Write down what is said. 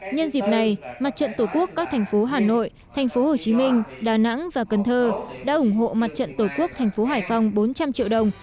nhân dịp này mặt trận tổ quốc các thành phố hà nội thành phố hồ chí minh đà nẵng và cần thơ đã ủng hộ mặt trận tổ quốc thành phố hải phòng bốn trăm linh triệu đồng